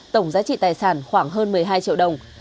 tổng giá trị tài sản khoảng hơn một mươi hai triệu đồng